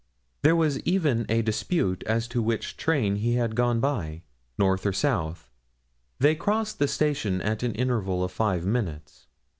There was even a dispute as to which train he had gone by north or south they crossed the station at an interval of five minutes.